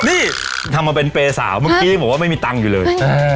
นี่ทำมาเป็นเปรย์สาวเมื่อกี้ยังบอกว่าไม่มีตังค์อยู่เลย